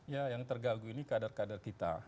ya yang terganggu ini kader kader kita